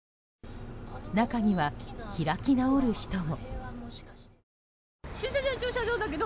中には開き直る人も。